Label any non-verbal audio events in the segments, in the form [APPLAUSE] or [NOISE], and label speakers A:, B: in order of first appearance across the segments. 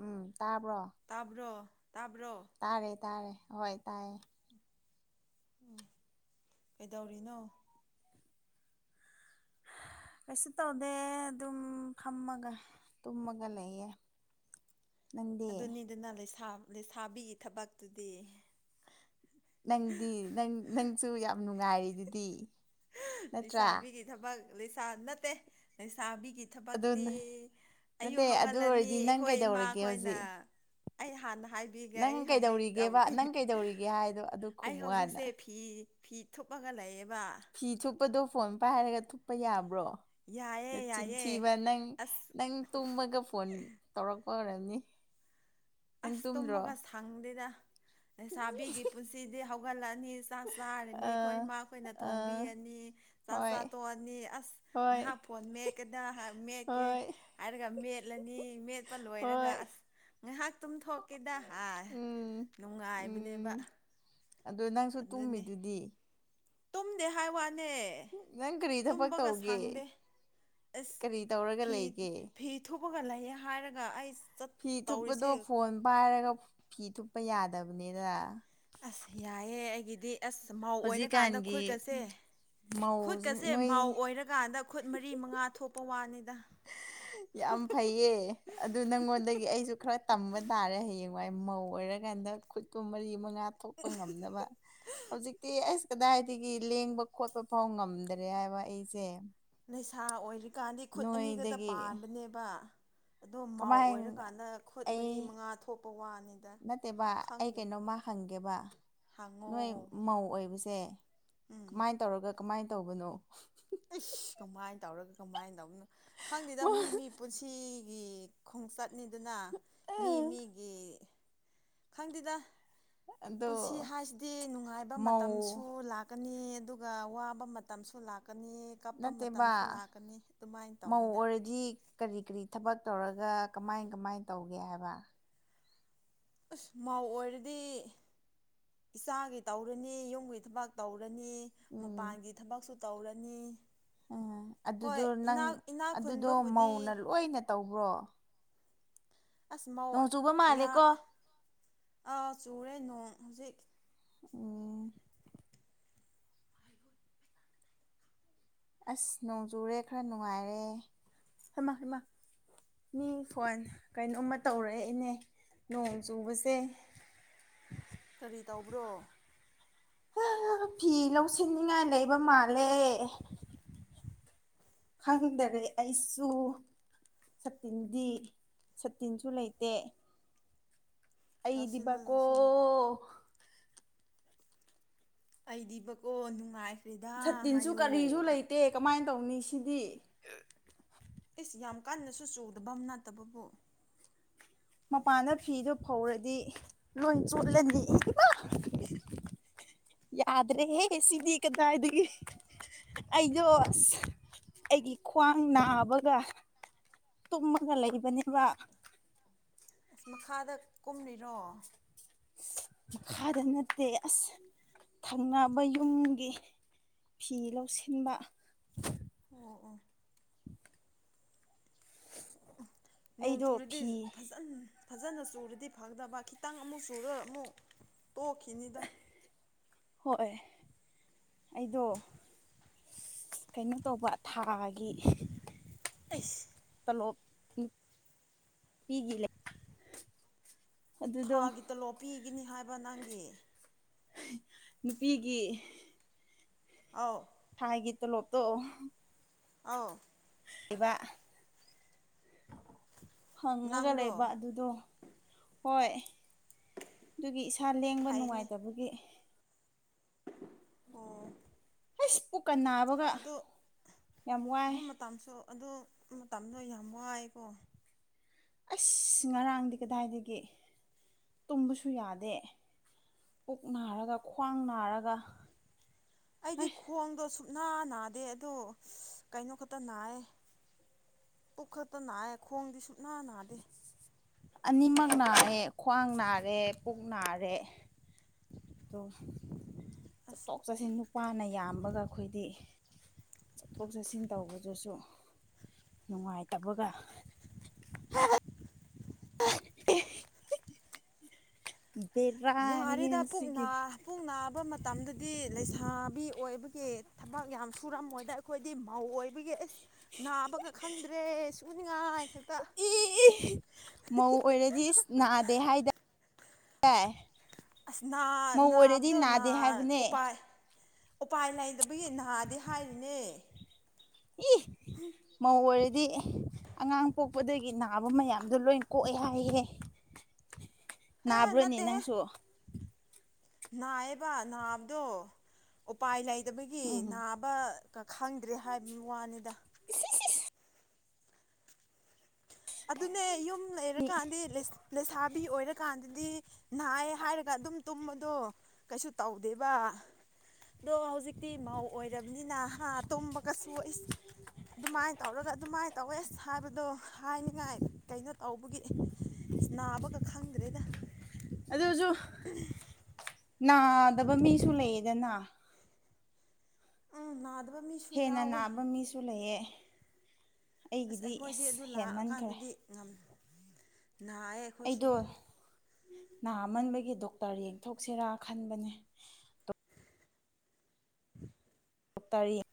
A: ꯎꯝ ꯇꯥꯕ꯭ꯔꯣ
B: ꯇꯥꯕ꯭ꯔꯣ ꯇꯥꯕ꯭ꯔꯣ
A: ꯇꯥꯔꯦ ꯇꯥꯔꯦ ꯍꯣꯏ ꯇꯥꯏꯌꯦ
B: ꯎꯝ ꯀꯩꯗꯧꯔꯤꯅꯣ
A: ꯀꯩꯁꯨ ꯇꯧꯗꯦ ꯑꯗꯨꯝ ꯐꯝꯃꯒ ꯇꯨꯝꯃꯒ ꯂꯩꯌꯦꯦ
B: ꯑꯗꯨꯅꯤꯗꯨꯅ ꯂꯩꯁꯥꯕꯤꯒꯤ ꯊꯕꯛꯇꯨꯗꯤ
A: ꯅꯪꯗꯤ ꯅꯪ ꯅꯪꯁꯨ ꯌꯥꯝ ꯅꯨꯡꯉꯥꯏꯔꯤꯦ ꯑꯗꯨꯗꯤ
B: ꯂꯩꯁꯥꯕꯤꯒꯤ ꯊꯕꯛ ꯂꯩꯁꯥ ꯅꯠꯇꯦ ꯂꯩꯁꯥꯕꯤꯒꯤ
A: ꯑꯗꯨ
B: ꯊꯕꯛꯇꯤ
A: ꯅꯠꯇꯦ
B: ꯑꯌꯨꯛ
A: ꯑꯗꯨ
B: ꯍꯧꯒꯠꯂꯅꯤ
A: ꯑꯣꯏꯔꯗꯤ ꯅꯪ
B: ꯑꯩꯈꯣꯏ
A: ꯀꯩꯗꯧꯔꯒꯦ
B: ꯏꯃꯥꯈꯣꯏꯅ
A: ꯍꯧꯖꯤꯛ
B: ꯑꯩ ꯍꯥꯟꯅ ꯍꯥꯏꯕꯤꯒꯦ
A: ꯅꯪ
B: ꯑꯩ ꯍꯧꯖꯤꯛ ꯇ
A: ꯀꯩꯗꯧꯔꯤꯒꯦꯕ ꯅꯪ ꯀꯩꯗꯧꯔꯤꯒꯦ ꯍꯥꯏꯗꯣ ꯑꯗꯨ
B: ꯑꯩ
A: ꯈꯨꯝꯃꯨ ꯍꯥꯟꯅ
B: ꯍꯧꯖꯤꯛꯁꯦ ꯐꯤ ꯐꯤ ꯊꯨꯞꯂꯒ ꯂꯩꯌꯦꯕ
A: ꯐꯤ ꯊꯨꯞꯄꯗꯨ ꯐꯣꯟ ꯄꯥꯏꯔꯒ ꯊꯨꯞꯄ ꯌꯥꯕ꯭ꯔꯣ
B: ꯌꯥꯏꯌꯦ ꯌꯥꯏꯌꯦ
A: ꯆꯤꯟꯊꯤꯕ ꯅꯪ
B: ꯑꯁ
A: ꯅꯪ ꯇꯨꯝꯃꯒ ꯐꯣꯟ ꯇꯧꯔꯛꯄ ꯑꯣꯏꯔꯝꯅꯤ ꯅꯪ
B: ꯑꯁ
A: ꯇꯨꯝꯗ꯭ꯔꯣ
B: ꯇꯨꯝꯕꯒ ꯁꯪꯗꯦꯗ ꯂꯩꯁꯥꯕꯤꯒꯤ ꯄꯨꯟꯁꯤꯗꯤ ꯍꯧꯒꯠꯂꯛꯑꯅꯤ ꯆꯥꯛ ꯆꯥꯔꯅꯤ ꯑꯩꯈꯣꯏ
A: ꯑꯥ
B: ꯏꯃꯥꯈꯣꯏꯅ
A: ꯑꯥ
B: ꯊꯣꯡꯕꯤꯔꯅꯤ ꯆꯥꯛ
A: ꯍꯣꯏ
B: ꯆꯥꯊꯣꯛꯑꯅꯤ ꯑꯁ
A: ꯍꯣꯏ
B: ꯉꯥꯏꯍꯥꯛ ꯐꯣꯟ ꯃꯦꯛꯀꯗ ꯃꯦꯛꯀꯦ
A: ꯍꯣꯏ
B: ꯍꯥꯏꯔꯒ ꯃꯦꯠꯂꯅꯤ ꯃꯦꯠꯄ ꯂꯣꯏꯔꯒ
A: ꯍꯣꯏ
B: ꯑꯁ ꯉꯥꯏꯍꯥꯛ ꯇꯨꯝꯊꯣꯛꯀꯦꯗ ꯍꯥ
A: ꯎꯝ
B: ꯅꯨꯡꯉꯥꯏꯕꯅꯦꯕ
A: ꯑꯗꯨ ꯅꯪꯁꯨ
B: ꯑꯗꯨꯅꯤ
A: ꯇꯨꯝꯃꯤꯗꯨꯗꯤ
B: ꯇꯨꯝꯗꯦ ꯍꯥꯏ ꯋꯥꯅꯦ
A: ꯅꯪ ꯀꯔꯤ ꯊꯕꯛ
B: ꯇꯨꯝꯕꯒ
A: ꯇꯧꯒꯦ
B: ꯁꯪꯗꯦ ꯑꯦꯁ
A: ꯀꯔꯤ ꯇꯧꯔꯒ ꯂꯩꯒꯦ
B: ꯐꯤ-ꯐꯤ ꯊꯨꯄꯥꯒ ꯂꯩꯌꯦ ꯍꯥꯏꯔꯒ ꯑꯩ ꯆꯠ
A: ꯐꯤ ꯊꯨꯞꯄꯗꯣ
B: ꯇꯧꯔꯤꯁꯦ
A: ꯐꯣꯟ ꯄꯥꯏꯔꯒ ꯐꯤ ꯊꯨꯞꯄ ꯌꯥꯗꯕꯅꯤꯗ
B: ꯑꯁ ꯌꯥꯏꯌꯦ ꯑꯩꯒꯤꯗꯤ ꯑꯁ ꯃꯥꯧ ꯑꯣꯏꯔꯀꯥꯟꯗ
A: ꯍꯧꯖꯤꯛꯀꯥꯟꯒꯤ
B: ꯈꯨꯠꯀꯁꯦ
A: ꯃꯧꯁꯤ
B: ꯈꯨꯠꯀꯁꯦ
A: ꯅꯣꯏ
B: ꯃꯥꯧ ꯑꯣꯏꯔꯀꯥꯟꯗ ꯈꯨꯠ ꯃꯔꯤ ꯃꯉꯥ ꯊꯣꯛꯄ ꯋꯥꯅꯤꯗ
A: ꯌꯥꯝ ꯐꯩꯌꯦ ꯑꯗꯨ ꯅꯪꯉꯣꯟꯗꯒꯤ ꯑꯩꯁꯨ ꯈꯔ ꯇꯝꯕ ꯇꯥꯔꯦ ꯍꯌꯦꯡꯋꯥꯏ ꯃꯧ ꯑꯣꯏꯔꯥꯟꯗ ꯈꯨꯠꯇꯨ ꯃꯔꯤ ꯃꯪ ꯌꯥꯊꯣꯛꯄ ꯉꯝꯅꯕ ꯍꯧꯖꯤꯛꯇꯤ ꯑꯂ ꯀꯗꯥꯏꯗꯒꯤ ꯂꯦꯡꯕ ꯈꯣꯠꯄ ꯐꯥꯎ ꯉꯝꯗ꯭ꯔꯦ ꯍꯥꯏꯕ ꯑꯩꯁꯦ
B: ꯅꯩꯁꯥ ꯑꯣꯏꯔꯤꯀꯥꯟꯗꯤ ꯈꯨꯠ ꯑꯅꯤꯒꯇ
A: ꯅꯣꯏꯗꯒꯤ
B: ꯄꯥꯟꯕꯅꯦꯕ ꯑꯗꯣ ꯃꯥꯎ
A: ꯀꯃꯥꯏ
B: ꯑꯣꯏꯔꯀꯥꯟꯗ ꯈꯨꯠ ꯃꯔꯤ
A: ꯑꯩ
B: ꯃꯉꯥ ꯊꯣꯛꯄ ꯋꯥꯅꯤꯗ ꯈꯪꯗꯦ
A: ꯈꯪꯒꯦꯕ
B: ꯍꯪꯉꯣ
A: ꯅꯣꯏ ꯃꯧ ꯑꯣꯏꯕꯁꯦ
B: ꯎꯝ
A: ꯀꯃꯥꯏꯅ ꯇꯧꯔꯒ ꯀꯃꯥꯏ ꯇꯧꯕꯅꯣ
B: ꯑꯩꯁ ꯀꯃꯥꯏꯅ ꯇꯧꯔꯒ ꯀꯃꯥꯏꯅ ꯇꯧꯅꯣ ꯈꯪꯗꯦꯗ ꯃꯤ ꯃꯤ ꯄꯨꯟꯁꯤꯒꯤ ꯈꯣꯡꯆꯠꯅꯤꯗꯨꯅ ꯃꯤ ꯃꯤꯒꯤ ꯈꯪꯗꯦꯗ
A: ꯑꯗꯣ
B: ꯄꯨꯟꯁꯤ ꯍꯥꯏꯁꯤꯗꯤ ꯅꯨꯡꯉꯥꯏꯕ
A: ꯃꯧ
B: ꯃꯇꯝꯁꯨ ꯂꯥꯛ ꯂꯥꯛꯀꯅꯤ ꯑꯗꯨꯒ ꯋꯥꯕ ꯃꯇꯝꯁꯨ ꯂꯥꯛꯀꯅꯤ ꯀꯞꯄ
A: ꯅꯠꯇꯦꯕ
B: ꯃꯇꯝꯁꯨ ꯂꯥꯛꯀꯅꯤ ꯑꯗꯨꯃꯥꯏꯅ ꯇꯧꯋꯦꯗ
A: ꯑꯗꯨ ꯀꯔꯤ ꯀꯔꯤ ꯊꯕꯛ ꯇꯧꯔꯒ ꯀꯃꯥꯏ ꯀꯃꯥꯏ ꯇꯧꯒꯦ ꯍꯥꯏꯕ
B: ꯑꯁ ꯃꯥꯧ ꯑꯣꯏꯔꯗꯤ ꯏꯆꯥꯒꯤ ꯇꯧꯔꯅꯤ ꯌꯨꯝꯒꯤ ꯊꯕꯛ ꯇꯧꯔꯅꯤ
A: ꯎꯝ
B: ꯃꯄꯥꯟꯒꯤ ꯊꯕꯛꯁꯨ ꯇꯧꯔꯅꯤ
A: ꯎ
B: ꯍꯣꯏ
A: ꯑꯗꯨꯗꯣ ꯅꯪ
B: ꯏꯅꯥꯛ ꯏꯅꯥꯛ
A: ꯑꯗꯨꯗꯣ
B: ꯈꯨꯟꯕꯕꯨꯗꯤ
A: ꯃꯧꯅ ꯂꯣꯏꯅ ꯇꯧꯕ꯭ꯔꯣ
B: ꯑꯁ ꯃꯧ
A: ꯅꯣꯡ ꯆꯨꯕ ꯃꯥꯜꯂꯦꯀꯣ
B: ꯑꯥ ꯆꯨꯔꯦ ꯅꯣꯡ ꯍꯧꯖꯤꯛ
A: ꯑꯣ ꯑꯁ ꯅꯣꯡꯖꯨꯔꯦ ꯈꯔ ꯅꯨꯡꯉꯥꯏꯔꯦꯃꯃ ꯃꯤ ꯐꯣꯟ ꯀꯩꯅꯣꯝꯃ ꯇꯧꯔꯛꯏꯅꯦ ꯅꯣꯡ ꯆꯨꯕꯁꯦ
B: ꯀꯔꯤ ꯇꯧꯕ꯭ꯔꯣ
A: ꯐꯤ ꯂꯧꯁꯤꯟꯅꯤꯉꯥꯏ ꯂꯩꯕ ꯃꯥꯜꯂꯦ ꯈꯪꯗ꯭ꯔꯦ ꯑꯩꯁꯨ ꯁꯠꯇꯤꯟꯗꯤ ꯁꯠꯇꯤꯟꯁꯨ ꯂꯩꯇꯦ
B: ꯂꯧꯁꯤꯜꯂꯣ
A: ꯑꯩꯗꯤꯕꯀꯣ
B: ꯂꯧꯁꯤꯜꯂꯣ ꯑꯩꯗꯤꯕꯀꯣ ꯅꯨꯡꯉꯥꯏꯈ꯭ꯔꯦꯗ ꯍꯥꯏꯌꯣ
A: ꯠꯇꯦ ꯀꯃꯥꯏꯅ ꯇꯧꯅꯤ ꯁꯤꯗꯤ
B: ꯏꯁ ꯌꯥꯝ ꯀꯟꯅꯁꯨ ꯆꯨꯗꯕ ꯑꯃ ꯅꯠꯇꯕꯕꯨ
A: ꯃꯄꯥꯟꯗ ꯐꯤꯗꯨꯣ ꯐꯧꯔꯗꯤ ꯂꯣꯏ ꯆꯣꯠꯂꯅꯤ ꯌꯥꯗ꯭ꯔꯦ ꯍꯦ ꯁꯤꯗꯤ ꯀꯗꯥ ꯑꯗꯨꯗꯒꯤ ꯑꯩꯗꯣ ꯑ ꯑꯩꯒꯤ ꯈ꯭ꯋꯥꯡ ꯅꯥꯕꯒ ꯇꯨꯝꯃꯒ ꯂꯩꯕꯅꯦꯕ
B: ꯏꯁ ꯃꯈꯥꯗ ꯀꯨꯝꯂꯤꯔꯣ
A: ꯃꯈꯥꯗ ꯅꯠꯇꯦ ꯑꯁ ꯊꯪꯅꯕ ꯌꯨꯝꯒꯤ ꯐꯤ ꯂꯧꯁꯤꯟꯕ
B: [UNINTELLIGIBLE] ꯅꯣꯡ
A: ꯑꯩꯗꯣ
B: ꯆꯨꯔꯗꯤ
A: ꯐꯤ
B: ꯐꯖ ꯐꯖꯟ ꯐꯖꯅ ꯆꯨꯔꯗꯤ ꯐꯪꯗꯕ ꯈꯤꯇꯪ ꯑꯃꯨꯛ ꯆꯨꯔ ꯑꯃꯨꯛ ꯇꯣꯛꯈꯤꯅꯤꯗ
A: ꯍꯣꯏ ꯑꯩꯗꯣ ꯀꯩꯅꯣ ꯇꯧꯕ ꯊꯥꯏ ꯒꯤ
B: ꯑꯩꯁ
A: ꯇꯣꯂꯣꯞ ꯅꯨꯄꯤꯒꯤ ꯂꯩ ꯑꯗꯨꯗꯣ
B: ꯊꯥꯒꯤ ꯇꯣꯂꯣꯞ ꯄꯤꯒꯤꯅꯤ ꯍꯥꯏꯕ ꯅꯪꯒꯤ
A: ꯅꯨꯄꯤꯒꯤ
B: ꯑꯧ
A: ꯊꯥꯏꯒꯤ ꯇꯣꯂꯣꯞꯇꯣ
B: ꯑꯧ
A: ꯂꯩꯕ ꯍꯪꯉꯒ
B: ꯅꯪꯗꯣ
A: ꯂꯩꯕ ꯑꯗꯨꯗꯣ ꯍꯣꯏ ꯑꯗꯨꯒꯤ ꯏꯁꯥ ꯂꯦꯡꯕ
B: ꯐꯩꯅꯦ
A: ꯅꯨꯡꯉꯥꯏꯇꯕꯒꯤ
B: ꯑꯣ
A: ꯑꯩꯁ ꯄꯨꯛꯀ ꯅꯥꯕꯒ
B: ꯑꯗꯣ
A: ꯌꯥꯝ ꯋꯥꯏ
B: ꯑꯗꯨ ꯃꯇꯝꯁꯨ ꯑꯗꯣ ꯃꯇꯝꯗꯣ ꯌꯥꯝ ꯋꯥꯏꯋꯦꯀꯣ
A: ꯑꯩꯁ ꯉꯔꯥꯡꯗꯤ ꯀꯗꯥꯏꯗꯒꯤ ꯇꯨꯝꯕꯁꯨ ꯌꯥꯗꯦ ꯄꯨꯛ ꯅꯥꯔꯒ ꯈ꯭ꯋꯥꯡ ꯅꯥꯔꯒ
B: ꯑꯩꯗꯤ
A: ꯍꯩ
B: ꯈꯣꯡꯗꯣ ꯁꯨ ꯅꯥ ꯅꯥꯗꯦ ꯑꯗꯣ ꯀꯩꯅꯣ ꯈꯛꯇ ꯅꯥꯏ ꯄꯨꯛꯈꯛꯇ ꯅꯥꯏꯑꯦ ꯈꯣꯡꯗꯤ ꯁꯨꯛꯅꯥ ꯅꯥꯗꯦ
A: ꯑꯅꯤꯃꯛ ꯅꯥꯔꯦ ꯈ꯭ꯋꯥꯡ ꯅꯥꯔꯦ ꯄꯨꯛ ꯅꯥꯔꯦ ꯇꯣ
B: ꯑꯁ
A: ꯆꯠꯇꯣꯛ ꯆꯠꯁꯤꯟ ꯅꯨꯄꯥꯅ ꯌꯥꯝꯕꯒ ꯑꯈꯣꯏꯗꯤ ꯆꯠꯊꯣꯛ ꯆꯠꯁꯤꯟ ꯇꯧꯕꯗꯨꯁꯨ ꯅꯨꯡꯉꯥꯏꯇꯕꯒ [UNINTELLIGIBLE] ꯕꯦꯔꯥ
B: ꯌꯥꯔꯦꯗ ꯄꯨꯛ ꯅꯥ ꯄꯨꯛ ꯅꯥꯕ ꯃꯇꯝꯗꯗꯤ ꯂꯩꯁꯥꯕꯤ ꯑꯣꯏꯕꯒꯤ ꯊꯕꯛ ꯌꯥꯝ ꯁꯨꯔꯝꯃꯣꯏꯗ ꯑꯩꯈꯣꯏꯗꯤ ꯃꯧ ꯑꯣꯏꯕꯒꯤ ꯏꯁ ꯅꯥꯕꯒ ꯈꯪꯗ꯭ꯔꯦ ꯁꯨꯅꯤꯡꯉꯥꯏ ꯈꯛ
A: ꯏ ꯏ ꯏ ꯃꯧ ꯑꯣꯏꯔꯗꯤ ꯏꯁ ꯅꯥꯗꯦ ꯍꯥꯏꯗꯥꯏ
B: ꯑꯁ ꯅꯥ
A: ꯃꯧ ꯑꯣꯏꯔꯗꯤ
B: ꯅꯥꯕꯗꯣ ꯅꯥ
A: ꯅꯥꯗꯦ ꯍꯥꯏꯕꯅꯦ
B: ꯎꯄꯥꯏ ꯎꯄꯥꯏ ꯂꯩꯇꯕꯒꯤ ꯅꯍꯥꯗꯤ ꯍꯥꯏꯔꯤꯅꯦ
A: ꯏ ꯃꯧ ꯑꯣꯏꯔꯗꯤ ꯑꯉꯥꯡ ꯄꯣꯛ ꯄꯨꯗꯒꯤ ꯅꯥꯕ ꯃꯌꯥꯝꯗꯣ ꯂꯣꯏꯅ ꯀꯣꯛꯑꯦ ꯍꯥꯏꯍꯦ
B: ꯍꯦ
A: ꯅꯥꯕ꯭ꯔꯣꯅꯦ
B: ꯅꯠꯇꯦꯍꯦ
A: ꯅꯪꯁꯨ
B: ꯅꯥꯏꯌꯦꯕ ꯅꯥꯕꯗꯣ ꯎꯄꯥꯏ ꯂꯩꯇꯕꯒꯤ
A: ꯎꯝ
B: ꯅꯥ ꯕ ꯀ ꯈꯪꯗ꯭ꯔꯦ ꯍꯥꯏꯕꯅꯤ ꯋꯥꯅꯤꯗ
A: ꯏꯁꯤ ꯁꯤꯁ
B: ꯑꯗꯨꯅꯦ ꯌꯨꯝ
A: ꯃꯤ
B: ꯂꯩꯔꯀꯥꯟꯗꯤ ꯂꯤꯁ ꯂꯩꯁꯥꯕꯤ ꯑꯣꯏꯔꯀꯥꯟꯗꯗꯤ ꯅꯥꯏ ꯍꯥꯏꯔꯒ ꯑꯗꯨꯝ ꯇꯨꯝꯕꯗꯣ ꯀꯩꯁꯨ ꯇꯧꯗꯦꯕꯥ ꯑꯗꯣ ꯍꯧꯖꯤꯛꯇꯤ ꯃꯧ ꯑꯣꯏꯔꯕꯅꯤꯅ ꯍꯥ ꯇꯨꯝꯕꯒꯁꯨ ꯏꯁ ꯑꯗꯨꯃꯥꯏ ꯇꯧꯔꯒ ꯑꯗꯨꯃꯥꯏ ꯇꯧꯋꯦꯁ ꯍꯥꯏꯕꯗꯣ ꯍꯥꯏꯅꯤꯡꯉꯥꯏ ꯀꯩꯅꯣ ꯇꯧꯕꯒꯤ ꯅꯥꯕꯒ ꯈꯪꯗ꯭ꯔꯦꯗ
A: ꯑꯗꯨꯁꯨ ꯅꯥꯗꯕ ꯃꯤꯁꯨ ꯂꯩꯌꯦꯗꯅ
B: ꯎꯝ ꯅꯥꯗꯕ ꯃꯤ
A: ꯍꯦꯟꯅ ꯅꯥꯕ ꯃꯤꯁꯨ ꯂꯩꯌꯦ
B: ꯑꯁ
A: ꯑꯩꯒꯤꯗꯤ
B: ꯑꯩꯈꯣꯏꯗꯤ ꯑꯗꯨ
A: ꯍꯦꯟꯃꯟꯈ꯭ꯔꯦ
B: ꯂꯥꯛꯑꯀꯥꯟꯗꯗꯤ ꯉꯝ ꯅꯥꯏꯌꯦ ꯑꯩꯈꯣꯏꯁꯨ
A: ꯑꯩꯗꯣ ꯅꯥꯃꯟꯕꯒꯤ ꯗꯣꯛꯇ꯭ꯔ ꯌꯦꯡꯊꯣꯛꯁꯤꯔꯥ ꯈꯟꯕꯅꯦ
B: [INAUDIBLE]
A: ꯇꯣꯛ [UNINTELLIGIBLE] ꯇꯥꯏꯌ‌ꯦ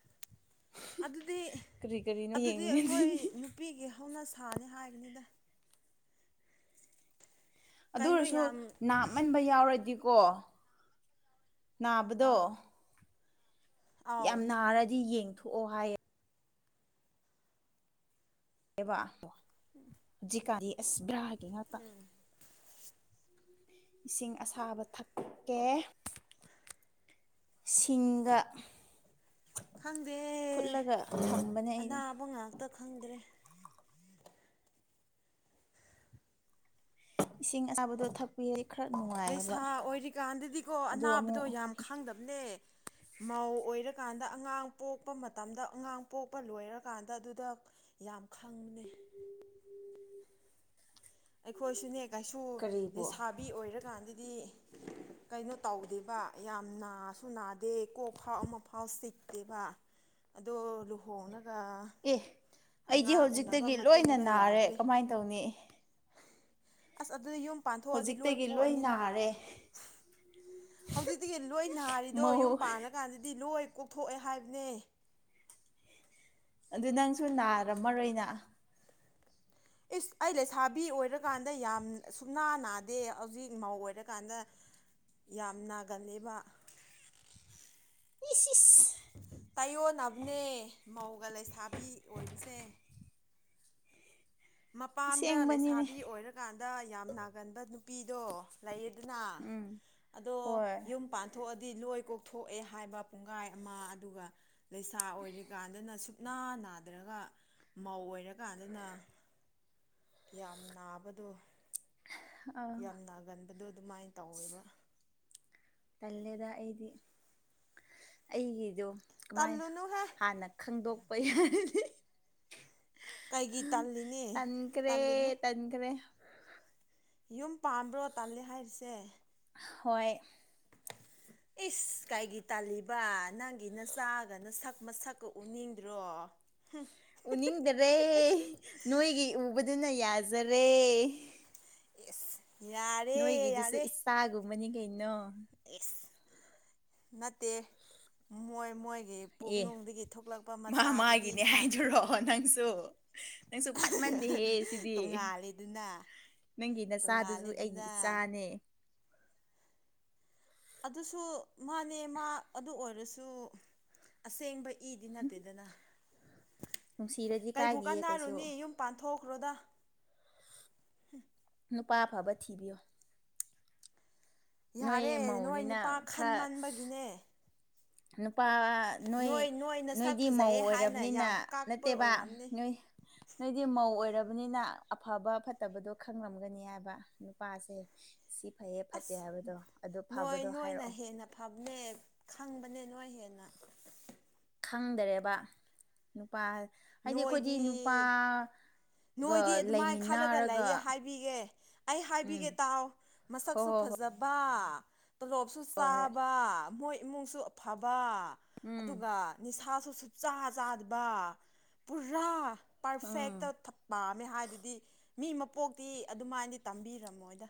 A: ꯀꯔꯤꯅꯣ
B: ꯑꯗꯨꯗꯤ-ꯑꯗꯨꯗꯤ
A: ꯌꯦꯡꯒꯅꯤ
B: ꯑꯩꯈꯣꯏ ꯅꯨꯄꯤꯒꯤ ꯍꯧꯅ ꯁꯥꯅꯤ ꯍꯥꯏꯕꯅꯤꯗ
A: ꯑꯗꯨ
B: ꯀꯩꯅꯣ
A: ꯑꯣꯏꯔꯁꯨ
B: ꯌꯥꯝ
A: ꯅꯥꯞꯃꯟꯕ ꯌꯥꯎꯔꯗꯤꯀꯣ ꯅꯥꯕꯗꯣ
B: ꯑꯥ
A: ꯌꯥꯝ
B: ꯑꯥꯎ
A: ꯅꯥꯔꯗꯤ ꯌꯦꯡꯊꯣꯛꯑꯣ ꯍꯥꯏꯌꯦ ꯑꯦꯕ ꯖꯤꯀꯥ ꯑꯦꯁꯕ꯭ꯔꯥꯒꯤ ꯉꯛꯇ ꯏꯁꯤꯡ ꯑꯁꯥꯕ ꯊꯛꯀꯦ ꯁꯤꯡꯒ
B: ꯈꯪꯗꯦ
A: ꯐꯨꯠꯂꯒ ꯊꯝꯕꯅꯦ ꯑꯩꯗꯤ
B: ꯑꯅꯥꯕ ꯉꯥꯛꯇ ꯈꯪꯗ꯭ꯔꯦ
A: ꯏꯁꯤꯡ ꯑꯁꯥꯕꯗꯣ ꯊꯛ ꯀꯨꯏ [UNINTELLIGIBLE] ꯈꯔꯥ ꯅꯨꯡꯉꯥꯏ
B: ꯂꯩꯁꯥ ꯑꯣꯏꯔꯤꯀꯥꯟꯗꯗꯤꯀꯣ ꯑꯅꯥꯕꯗꯣ
A: ꯑꯃꯨꯛ
B: ꯌꯥꯝ ꯈꯥꯡꯗꯝꯅꯦ ꯃꯧ ꯑꯣꯏꯔꯥꯀꯥꯟꯗ ꯑꯉꯥꯡ ꯄꯣꯛꯄ ꯃꯇꯝꯗ ꯑꯉꯥꯡ ꯄꯣꯛꯄ ꯂꯣꯏꯔꯀꯥꯟꯗ ꯑꯗꯨꯗ ꯌꯥꯝ ꯈꯪꯕꯅꯦ ꯑꯩꯈꯣꯏꯁꯨꯅꯦ ꯀꯩꯁꯨ
A: ꯀꯔꯤꯕꯨ
B: ꯂꯩꯁꯥꯕꯤ ꯑꯣꯏꯔꯥꯀꯥꯟꯗꯗꯤ ꯀꯩꯅꯣ ꯇꯧꯗꯦꯕ ꯌꯥꯝ ꯅꯥꯁꯨ ꯅꯥꯗꯦ ꯀꯣꯛ ꯐꯥꯎ ꯑꯃ ꯐꯥꯎ ꯆꯤꯛꯇꯦꯕ ꯑꯗꯣ ꯂꯨꯍꯣꯡꯉꯒ
A: ꯑꯦ ꯑꯩꯗꯤ
B: ꯑꯉꯥꯡ ꯎꯅꯕ
A: ꯍꯧꯖꯤꯛꯇꯒꯤ ꯂꯣꯏꯅ
B: ꯃꯇꯨꯡꯗ
A: ꯅꯥꯔꯦ
B: ꯌꯥꯗ꯭ꯔꯦ
A: ꯀꯃꯥꯏꯅ ꯇꯧꯅꯤ
B: ꯑꯁ ꯑꯗꯨꯗꯤ ꯌꯨꯝ ꯄꯥꯟꯊꯣꯛꯑꯗꯤ ꯂꯣꯏ ꯀꯣꯛꯑꯅꯤ
A: ꯐꯥꯔꯦ
B: ꯍꯧꯖꯤꯛꯇꯤꯒꯤ ꯂꯣꯏ ꯅꯥꯔꯤꯗꯣ
A: ꯃꯧ
B: ꯌꯨꯝ ꯄꯥꯟꯜꯂꯀꯥꯟꯗꯗꯤ ꯂꯣꯏ ꯀꯣꯛꯊꯣꯛꯑꯦ ꯍꯥꯏꯕꯅꯦ
A: ꯑꯗꯨ ꯅꯪꯁꯨ ꯅꯥꯔꯝꯃꯔꯣꯏꯅ
B: ꯏꯁ ꯑꯩ ꯂꯩꯁꯥꯕꯤ ꯑꯣꯏꯔꯀꯥꯟꯗ ꯌꯥꯝ ꯁꯨꯞꯅꯥ ꯅꯥꯗꯦ ꯍꯧꯖꯤꯛ ꯃꯧ ꯑꯣꯏꯔꯀꯥꯟꯗ ꯌꯥꯝ ꯅꯥꯒꯟꯂ‌ꯦꯕ
A: ꯏꯁ ꯁ [UNINTELLIGIBLE]
B: ꯇꯥꯏꯌꯣꯟꯅꯕꯅꯦ ꯃꯧꯒ ꯂꯩꯁꯥꯕꯤ ꯑꯣꯏꯕꯁꯦ ꯃꯄꯥꯝꯗ
A: ꯑꯁꯦꯡꯕꯅꯤꯅꯦ
B: ꯂꯩꯁꯥꯕꯤ ꯑꯣꯏꯔ ꯀꯥꯟꯗ ꯌꯥꯝ ꯅꯥꯒꯟꯕ ꯅꯨꯄꯤꯗꯣ ꯂꯩꯌꯦꯗꯅ
A: ꯎꯝ
B: ꯑꯗꯣ
A: ꯍꯣꯏ
B: ꯌꯨꯝ ꯊꯣꯛꯑꯗꯤ ꯂꯣꯏ ꯄꯣꯛꯊꯣꯛꯑꯦ ꯍꯥꯏꯕ ꯄꯨꯡꯒꯥꯏ ꯑꯃ ꯑꯗꯨꯒ ꯂꯩꯁꯥ ꯑꯣꯏꯔꯤꯀꯥꯟꯗꯅ ꯁꯨꯞꯅꯥ ꯅꯥꯗ꯭ꯔꯒ ꯃꯧ ꯑꯣꯏꯔꯀꯥꯟꯗꯅ ꯌꯥꯝ ꯅꯥꯕꯗꯣ
A: ꯑꯥ
B: ꯌꯥꯝ ꯅꯥꯒꯟꯕꯗꯣ ꯑꯗꯨꯃꯥꯏꯅ ꯇꯧꯋꯦꯕ
A: ꯇꯜꯂꯦꯗ ꯑꯩꯗꯤ-ꯑꯩꯒꯤꯗꯣ ꯀꯃꯥꯏꯅ
B: ꯇꯜꯂꯨꯅꯨꯍꯦ
A: ꯍꯥꯟꯅ ꯈꯪꯗꯣꯛꯄ ꯌꯥꯔꯗꯤ
B: ꯀꯩꯒꯤ ꯇꯜꯂꯤꯅꯤ ꯇꯜꯂꯨꯅꯨ
A: ꯇꯟꯈ꯭ꯔꯦ-ꯇꯟꯈ꯭ꯔꯦ
B: ꯌꯨꯝ ꯄꯥꯝꯕ꯭ꯔꯣ ꯇꯜꯂꯦ ꯍꯥꯏꯔꯤꯁꯦ
A: ꯍꯣꯏ
B: [UNINTELLIGIBLE] ꯏꯁꯁ ꯀꯥꯏꯒꯤ ꯇꯥꯜꯂꯤꯕ ꯅꯪꯒꯤꯅ ꯆꯥꯒꯅ ꯅꯁꯛ ꯃ ꯁꯛꯀ ꯎꯅꯤꯡꯗ꯭ꯔꯣ ꯍꯝ
A: ꯎꯅꯤꯡꯗꯥꯔꯦ ꯅꯣꯏꯒꯤ ꯎꯕꯗꯨꯅ ꯌꯥꯖꯔꯦ
B: ꯌꯦꯁ ꯌꯥꯔ
A: ꯅꯣꯏꯒꯤꯗꯨꯁꯨ ꯏꯁꯆꯥꯒꯨꯝꯕꯅꯤ ꯀꯩꯅꯣ
B: ꯑꯦꯁ ꯅꯠꯇꯦ ꯃꯣꯏ ꯃꯣꯏꯒꯤ
A: ꯑꯦ
B: ꯄꯨꯛꯅꯨꯡꯗꯒꯤ ꯊꯣꯛꯂꯛꯄ
A: ꯃꯥ
B: ꯃꯆꯥꯗꯨꯗꯤ
A: ꯃꯥꯒꯤꯅꯦ
B: ꯍꯥ
A: ꯍꯥꯏꯗꯨꯨꯔꯣꯑꯣ ꯅꯪꯁꯨ ꯅꯪꯁꯨ ꯐꯠꯃꯟꯗꯦꯍꯦ ꯁꯤꯗꯤ
B: ꯇꯣꯡꯉꯥꯜꯂꯤꯗꯨꯅ
A: ꯅꯪꯒꯤ ꯅꯆꯥꯗꯨꯁꯨ ꯑꯩꯒꯤ
B: ꯇꯣꯡꯉꯥꯜꯂꯤꯗꯨꯅ
A: ꯏꯆꯥꯅꯦ
B: ꯑꯗꯨꯁꯨ ꯃꯥꯅꯦ ꯃꯥ ꯑꯗꯨ ꯑꯣꯏꯔꯁꯨ ꯑꯁꯦꯡꯕ ꯏꯗꯤ ꯅꯠꯇꯦꯗꯅ
A: ꯅꯨꯡꯁꯤꯔꯗꯤ
B: ꯀꯩꯕꯨ
A: ꯀꯥꯏꯗꯤꯌꯦ
B: ꯀꯥꯟꯅꯔꯨꯅꯤ
A: ꯀꯩꯁꯨ
B: ꯌꯨꯝ ꯄꯥꯟꯊꯣꯛꯈ꯭ꯔꯣꯗ
A: ꯅꯨꯄꯥ ꯑꯐꯕ ꯊꯤꯕꯤꯌꯣ
B: ꯌꯥꯔꯦ
A: ꯅꯣꯏ
B: ꯅꯣꯏ
A: ꯃꯧꯅꯤꯅ
B: ꯅꯨꯄꯥ
A: ꯈꯔ
B: ꯈꯟꯃꯟꯕꯒꯤꯅꯦ
A: ꯅꯨꯄꯥ ꯅꯣꯏ
B: ꯅꯁꯛ
A: ꯅꯣꯏꯗꯤ ꯃꯧ
B: ꯐꯖꯩꯌꯦ ꯍꯥꯏꯅ
A: ꯑꯣꯏꯔꯕꯅꯤꯅ
B: ꯌꯥꯝ ꯀꯥꯛꯄ
A: ꯅꯠꯇꯦꯕ
B: ꯑꯣꯏꯔꯝꯅꯤ
A: ꯅꯣꯏ ꯅꯣꯏꯗꯤ ꯃꯧ ꯑꯣꯏꯔꯕꯅꯤꯅ ꯑꯐꯕ ꯐꯠꯇꯕꯗꯣ ꯈꯪꯂꯝꯒꯅꯤ ꯍꯥꯏꯕ ꯅꯨꯄꯥꯁꯦ ꯁꯤ ꯐꯩꯌꯦ ꯐꯠꯇꯦ
B: ꯑꯁ
A: ꯍꯥꯏꯕꯗꯣ ꯑꯗꯨꯗꯣ
B: ꯅꯣꯏ
A: ꯐꯕꯗꯣ
B: ꯅꯣꯏꯅ
A: ꯍꯥꯏꯔꯛꯑꯣ
B: ꯍꯦꯟꯅ ꯐꯕꯅꯦ ꯈꯪꯕꯅꯦ ꯅꯣꯏ ꯍꯦꯟꯅ
A: ꯈꯪꯗꯥꯔꯦꯕ ꯅꯨꯄꯥ ꯍꯥꯏꯗꯤ ꯈꯣꯏꯗꯤ ꯅꯨꯄꯥ
B: ꯅꯣꯏꯗꯤ ꯅꯣꯏꯗꯤ ꯑꯗꯨꯃꯥꯏꯅ ꯈꯜꯂꯒ ꯂꯩꯌꯦ ꯍꯥꯏꯕꯤꯒꯦ ꯑꯩ ꯍꯥꯏꯕꯤꯒꯦ
A: ꯎꯝ
B: ꯇꯥꯎ
A: ꯍꯣ
B: ꯃꯁꯛꯁꯨ ꯐꯖ
A: ꯍꯣ
B: ꯐꯖꯕ ꯇꯣꯂꯣꯞꯁꯨ
A: ꯍꯣꯏ ꯍꯣꯏ ꯍꯣꯏ
B: ꯆꯥꯕ ꯃꯣꯏ ꯏꯃꯨꯡꯁꯨ ꯑꯐꯕ
A: ꯎꯝ
B: ꯑꯗꯨꯒ ꯅꯤꯁꯥꯁꯨ ꯁꯨꯡꯆꯥꯥ ꯆꯥꯗꯕ ꯄꯨꯔꯥ
A: ꯎꯝ
B: ꯄꯔꯐꯦꯛꯇ ꯄꯥꯝꯃꯦ ꯍꯥꯏꯗꯨꯗꯤ ꯃꯤ ꯃꯄꯣꯛꯇꯤ ꯑꯗꯨꯃꯥꯏꯅꯗꯤ ꯇꯝꯕꯤꯔꯝꯃꯣꯏꯗ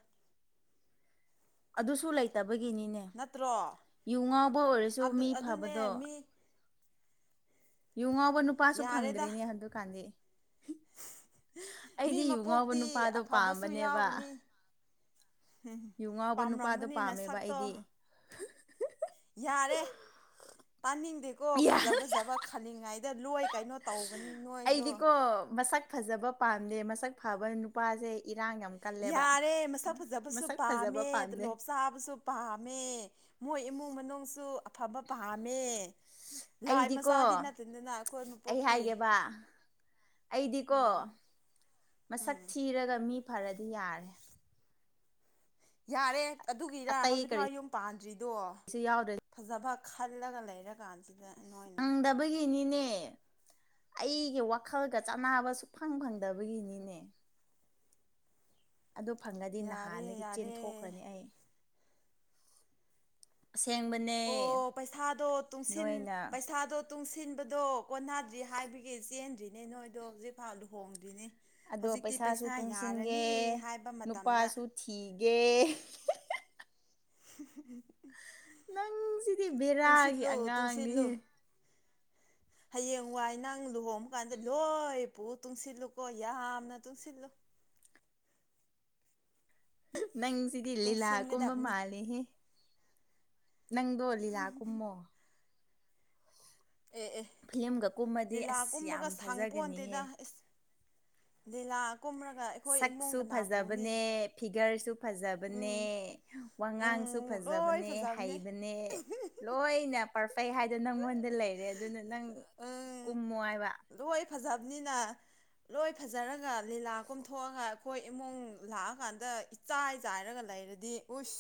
A: ꯑꯗꯨꯁꯨ ꯂꯩꯇꯕꯒꯤꯅꯤꯅꯦ
B: ꯅꯠꯇ꯭ꯔꯣ
A: ꯌꯨ ꯉꯥꯎꯕ ꯑꯣꯏꯔꯁꯨ
B: ꯑꯗꯨ
A: ꯃꯤ
B: ꯑꯗꯨꯅꯦ
A: ꯐꯕꯗꯣ
B: ꯃꯤ
A: ꯌꯨ ꯉꯥꯎꯕ ꯅꯨꯄꯥꯁꯨ
B: ꯌꯥꯔꯦꯗ
A: ꯐꯪꯗ꯭ꯔꯤꯅꯦ ꯑꯗꯨꯀꯥꯟꯗꯤ
B: ꯃꯤ
A: ꯉꯥꯎꯕ
B: ꯃꯄꯣꯛꯇꯤ
A: ꯅꯨꯄꯥꯗꯣ
B: ꯑꯐꯕꯁꯨ
A: ꯄꯥꯝꯕꯅꯦꯕ
B: ꯌꯥꯎꯒꯅꯤ ꯎꯝ
A: ꯌꯨ ꯉꯥꯎꯕ ꯅꯨꯄꯥꯗꯣ
B: ꯄꯥꯝꯂꯝꯒꯅꯤꯅ
A: ꯄꯥꯝꯃꯦꯕ
B: ꯁꯛꯇꯣ
A: ꯑꯩꯗꯤ
B: ꯌꯥꯔꯦ ꯇꯥꯅꯤꯡꯗꯦꯀꯣ
A: ꯌꯥ
B: ꯐꯖꯥ- ꯐꯖꯕ ꯈꯜꯂꯤꯉꯩꯗ ꯂꯣꯏ ꯀꯩꯅꯣ ꯇꯧꯕꯅꯤ ꯅꯣꯏꯗꯣ
A: ꯑꯩꯗꯤꯀꯣ ꯃꯁꯛ ꯐꯖꯕ ꯄꯥꯝꯗꯦ ꯃꯁꯛ ꯐꯕ ꯅꯨꯄꯥꯁꯦ ꯏꯔꯥꯡ ꯌꯥꯝ ꯀꯜꯂꯦꯕ
B: ꯌꯥꯔꯦ ꯃꯁꯛ ꯐꯖꯕꯁꯨ
A: ꯃꯁꯛ ꯐꯖꯕ
B: ꯄꯥꯝꯃꯦ
A: ꯄꯥꯝꯗꯦ
B: ꯇꯂꯣꯞ ꯆꯥꯕꯁꯨ ꯄꯥꯝꯃꯦ ꯃꯣꯏ ꯏꯃꯨꯡ ꯃꯅꯨꯡꯁꯨ ꯑꯐꯕ ꯄꯥꯝꯃꯦ ꯂꯥꯏ
A: ꯑꯩꯗꯤꯀꯣ
B: ꯃꯆꯥꯗꯤ ꯅꯠꯇꯗꯅ ꯑꯩꯈꯣꯏ
A: ꯑꯩ
B: ꯃꯄꯣꯛꯇꯤ
A: ꯍꯥꯏꯒꯦꯕ ꯑꯩꯗꯤꯀꯣ ꯃꯁꯛ ꯊꯤꯔꯒ ꯃꯤ ꯐꯔꯗꯤ ꯌꯥꯔꯦ
B: ꯌꯥꯔꯦ ꯑꯗꯨꯒꯤꯔ
A: ꯑꯇꯩ
B: ꯍꯧꯖꯤꯛꯐꯥꯎ
A: ꯀꯔꯤꯁꯨ
B: ꯌꯨꯝ ꯄꯥꯟꯗ꯭ꯔꯤꯗꯣ
A: ꯌꯥꯎꯗ꯭ꯔꯦ
B: ꯐꯖꯕ ꯈꯜꯂꯒ ꯂꯩꯔ ꯀꯥꯟꯁꯤꯗ ꯅꯣꯏꯅ
A: ꯐꯪꯗꯕꯒꯤꯅꯤꯅꯦ ꯑꯩꯒꯤ ꯋꯥꯈꯜꯒ ꯆꯥꯟꯅꯕ ꯁꯨꯛꯐꯪ ꯐꯪꯗꯕꯒꯤꯅꯤꯅꯦ ꯑꯗꯨꯗꯣ ꯐꯪꯉꯗꯤ
B: ꯌꯥꯔꯦ
A: ꯅꯍꯥꯟꯗꯒꯤ
B: ꯌꯥꯔꯦ
A: ꯆꯦꯟꯊꯣꯛꯈ꯭ꯔꯅꯤ ꯑꯩ ꯑꯁꯦꯡꯕ
B: ꯑꯣ ꯄꯩꯁꯥꯗꯣ ꯇꯨꯡꯁꯤꯟ ꯄꯩꯁꯥꯗꯣ ꯇꯨꯡꯁꯤꯟꯕꯗꯣ ꯀꯣꯟꯅꯗ꯭ꯔꯤ ꯍꯥꯏꯕꯒꯤ ꯆꯦꯟꯗ꯭ꯔꯤꯅꯦ ꯅꯣꯏꯗꯣ ꯍꯧꯖꯤꯛꯐꯥꯎ ꯂꯨꯍꯣꯡꯗ꯭ꯔꯤꯅꯤ
A: ꯑꯗꯣ
B: ꯍꯧꯖꯤꯛꯇꯤ
A: ꯄꯩꯁꯥꯁꯨ
B: ꯄꯩꯁꯥ
A: ꯇꯨꯡꯁꯤꯟꯒꯦ
B: ꯌꯥꯔꯅꯤ ꯍꯥꯏꯕ ꯃꯇꯝꯗ
A: ꯅꯨꯄꯥꯁꯨ ꯊꯤꯒꯦ ꯅꯪꯁꯤꯗꯤ ꯕꯦꯔꯥꯒꯤ
B: ꯇꯨꯡꯁꯤꯂꯣ ꯇꯨꯡꯁꯤꯂꯣ
A: ꯑꯉꯥꯡꯅꯤꯍꯦ
B: ꯍꯌꯦꯡ ꯋꯥꯏ ꯅꯪ ꯂꯨꯍꯣꯡꯕ ꯀꯥꯟꯗ ꯂꯣꯏ ꯄꯨ ꯇꯨꯡꯁꯤꯜꯂꯨꯀꯣ ꯌꯥꯝꯅ ꯇꯨꯡꯁꯤꯜꯂꯨ
A: ꯅꯪꯁꯤꯗꯤ ꯂꯤꯂꯥꯀꯨꯝꯕ
B: ꯇꯨꯡꯁꯤꯟꯒꯗꯕꯅꯤ
A: ꯃꯥꯜꯂꯤꯍꯦ ꯅꯪꯗꯣ ꯂꯤꯂꯥ ꯀꯨꯝꯃꯣ
B: ꯑꯦ ꯑꯦ
A: ꯐꯤꯂꯝꯒ ꯀꯨꯝꯃꯗꯤ
B: ꯂꯤꯂꯥ
A: ꯑꯁ ꯌꯥꯝ
B: ꯀꯨꯝꯕꯒ ꯁꯪ ꯄꯣꯟꯗꯦꯗ
A: ꯐꯖꯒꯅꯤꯍꯦ
B: ꯑꯦꯁ ꯂꯤꯂꯥ
A: ꯁꯛꯁꯨ
B: ꯀꯅꯥ ꯄꯨꯅꯤ
A: ꯐꯖꯕꯅꯦ ꯐꯤꯒꯔꯁꯨ ꯐꯖꯕꯅꯦ
B: ꯎꯝ
A: ꯋꯥꯉꯥꯡꯁꯨ
B: ꯎꯝ ꯂꯣꯏ
A: ꯐꯖꯕꯅꯦ ꯍꯩꯕꯅꯦ ꯂꯣꯏꯅ ꯀꯩ ꯍꯥꯏꯗꯣ ꯅꯪꯉꯣꯟꯗ ꯂꯩꯔꯦ ꯑꯗꯨꯅ ꯅꯪ
B: ꯎꯝ
A: ꯀꯨꯝꯃꯣ ꯍꯥꯏꯕ
B: ꯂꯣꯏ ꯐꯖꯕꯅꯤꯅ ꯂꯣꯏ ꯐꯖꯔꯒ ꯂꯤꯂꯥ ꯀꯨꯝꯊꯣꯛꯑꯒ ꯑꯩꯈꯣꯏ ꯏꯃꯨꯡ ꯂꯥꯛꯑꯀꯥꯟꯗ ꯆꯥꯏ ꯆꯥꯏꯔꯒ ꯂꯩꯔꯗꯤ ꯎꯁ